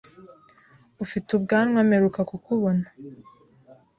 Ufite ubwanwa mperuka kukubona.